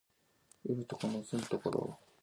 Zaah ccooo cop he iti cöcaticpan iha.